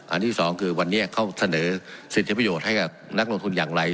ที่สองคือวันนี้เขาเสนอสิทธิประโยชน์ให้กับนักลงทุนอย่างไร